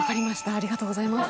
ありがとうございます。